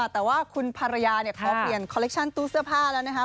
แต่ว่าคุณภรรยาขอเปลี่ยนคอลเคชั่นตู้เสื้อผ้าแล้วนะครับ